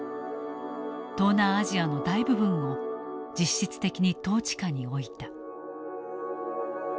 東南アジアの大部分を実質的に統治下に置いた。